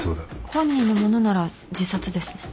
本人のものなら自殺ですね。